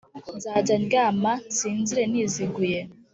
Nzajya ndyama nsinzire niziguye